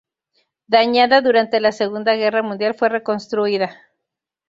Dañada durante la Segunda Guerra Mundial fue reconstruida.